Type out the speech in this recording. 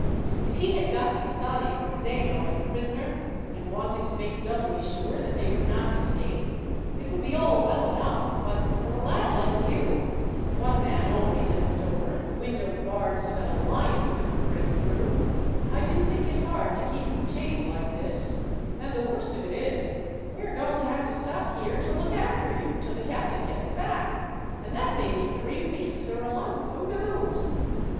If he had got Pisani or Zeno as a prisoner, and wanted to make doubly sure that they would not escape, it would be all well enough, but for a lad like you, with one man always at the door, and the window barred so that a lion couldn't break through, I do think it hard to keep you chained like this; and the worst of it is, we are going to have to stop here to look after you till the captain gets back, and that may be three weeks or a month, who knows!"